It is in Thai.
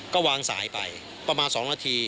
ก็วางสายไปประมาณ๒นาที